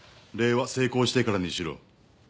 礼は成功してからにしろ。